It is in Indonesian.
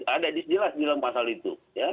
ada jelas di dalam pasal itu